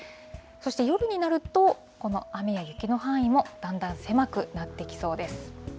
そして夜になると、この雨や雪の範囲もだんだん狭くなってきそうです。